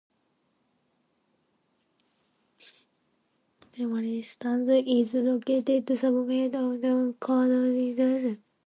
Veterans Memorial Stadium is located southwest of downtown Cedar Rapids on Rockford Road.